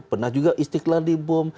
pernah juga istiqlal di bom